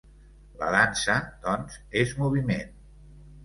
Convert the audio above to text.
La dansa, doncs, és moviment.